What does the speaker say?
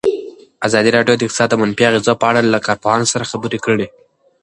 ازادي راډیو د اقتصاد د منفي اغېزو په اړه له کارپوهانو سره خبرې کړي.